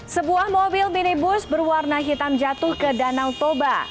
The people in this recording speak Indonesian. sebuah mobil minibus berwarna hitam jatuh ke danau toba